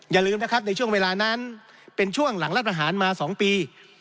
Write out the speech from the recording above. อย่าลืมนะครับในช่วงเวลานั้นเป็นช่วงหลังรัฐประหารมา๒ปี